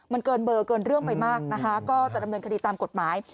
มันเกินเบอร์เกินเรื่องไปมากนะคะก็จะดำเนินคดีตามกฎหมาย